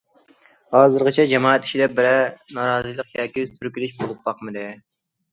ھازىرغىچە، جامائەت ئىچىدە بىرەر نارازىلىق ياكى سۈركىلىش بولۇپ باقمىدى.